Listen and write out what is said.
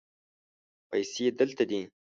پیسې دلته دي